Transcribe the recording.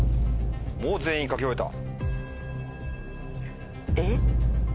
もう全員書き終えた。